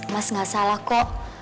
mas gak salah kok